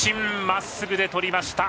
まっすぐでとりました。